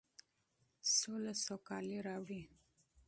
سوله سوکالي راوړي.